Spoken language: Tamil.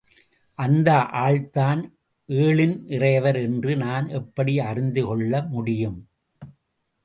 அந்த ஆள்தான் ஏழின் இறையவர் என்று நான் எப்படி அறிந்துகொள்ள முடியும்?